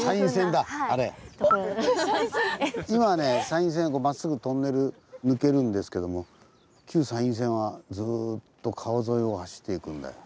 山陰線はまっすぐトンネル抜けるんですけども旧山陰線はずっと川沿いを走っていくんだよ。